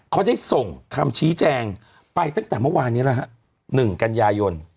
เขาได้ส่งคำชี้แจงไปตั้งแต่เมื่อวานนี้แล้วฮะ๑กันยายน